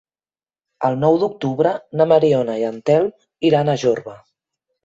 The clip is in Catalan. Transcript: El nou d'octubre na Mariona i en Telm iran a Jorba.